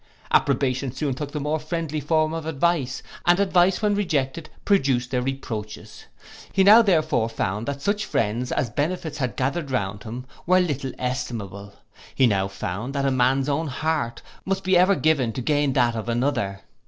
Approbation soon took the more friendly form of advice, and advice when rejected produced their reproaches. He now, therefore found that such friends as benefits had gathered round him, were little estimable: he now found that a man's own heart must be ever given to gain that of another.